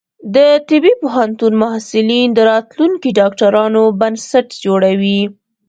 د طبی پوهنتون محصلین د راتلونکي ډاکټرانو بنسټ جوړوي.